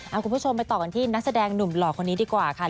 เอาคุณผู้ชมไปต่อกันที่นักแสดงหนุ่มหล่อคนนี้ดีกว่าค่ะ